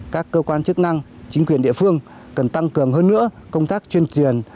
các cơ quan chức năng chính quyền địa phương cần tăng cường hơn nữa công tác tuyên truyền